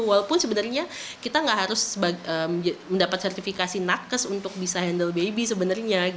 walaupun sebenarnya kita nggak harus mendapat sertifikasi nakes untuk bisa handle baby sebenarnya